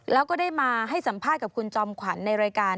แล้วก็ได้มาให้สัมภาษณ์กับคุณจอมขวัญในรายการ